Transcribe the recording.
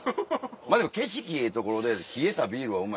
でも景色ええ所で冷えたビールはうまい。